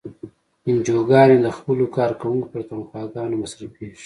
انجوګانې د خپلو کارکوونکو پر تنخواګانو مصرفیږي.